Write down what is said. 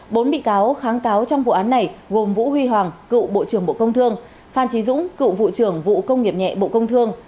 bốn bị cáo kháng cáo trong vụ án này gồm vũ huy hoàng cựu bộ trưởng bộ công thương phan trí dũng cựu vụ trưởng vụ công nghiệp nhẹ bộ công thương